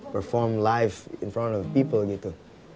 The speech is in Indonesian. perform live di depan orang gitu